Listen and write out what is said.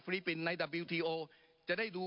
ปรับไปเท่าไหร่ทราบไหมครับ